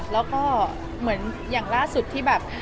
แล้วก็เหมือนอย่างล่าสุดที่แบบ